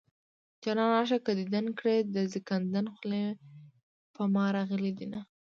جانانه راشه که ديدن کړي د زنکدن خولې په ما راغلي دينه